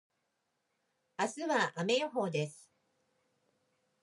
明日は雨予報です。